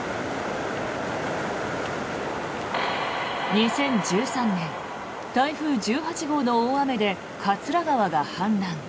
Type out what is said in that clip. ２０１３年台風１８号の大雨で桂川が氾濫。